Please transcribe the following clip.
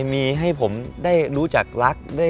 มีให้ผมได้รู้จักรัก